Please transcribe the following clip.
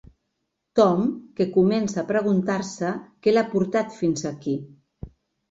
Tom, que comença a preguntar-se què l'ha portat fins aquí.